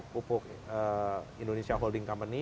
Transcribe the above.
pupuk indonesia holding company